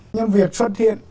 nhân việc xuất hiện